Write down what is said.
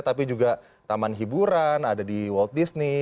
tapi juga taman hiburan ada di world disney